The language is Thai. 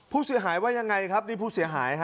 ผู้เสียหายว่ายังไงครับนี่ผู้เสียหายฮะ